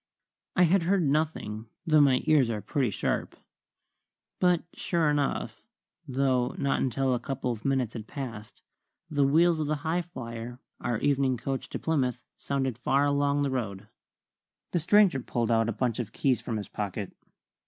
I had heard nothing, though my ears are pretty sharp. But sure enough, though not until a couple of minutes had passed, the wheels of the Highflyer, our evening coach to Plymouth, sounded far along the road. The stranger pulled out a bunch of keys from his pocket.